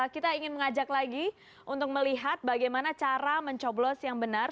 kita ingin mengajak lagi untuk melihat bagaimana cara mencoblos yang benar